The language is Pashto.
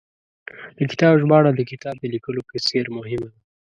د کتاب ژباړه، د کتاب د لیکلو په څېر مهمه ده